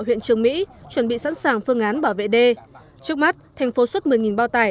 huyện trường mỹ chuẩn bị sẵn sàng phương án bảo vệ đê trước mắt thành phố xuất một mươi bao tải